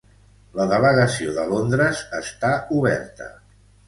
La delegació de Londres està oberta